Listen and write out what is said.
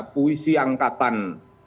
puisi angkatan empat puluh lima